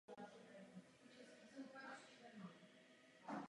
Této akce se účastnil i pozdější první izraelský astronaut Ilan Ramon.